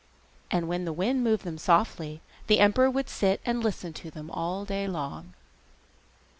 And when the wind moved them softly, the emperor would sit and listen to them all the day long.